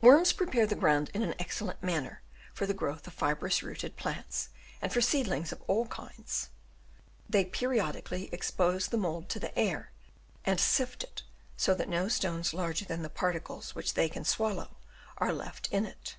Worms prepare the ground in an excellent manner for the growth of fibrous rooted plants and for seedlings of all kinds. They periodically expose the mould to the air, and sift it so that no stones larger than the par Chap. VII. CONCLUSION. 313 tides which they can swallow are left in it.